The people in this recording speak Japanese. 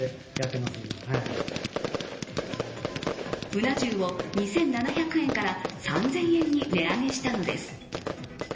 うな重を２７００円から３０００円に値上げしたのです。